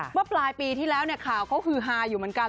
เมื่อปลายปีที่แล้วเขาฮือฮาอยู่เหมือนกัน